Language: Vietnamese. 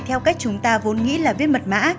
theo cách chúng ta vốn nghĩ là viết mật mã